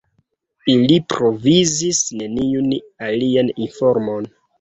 Ili provizis neniun alian informon.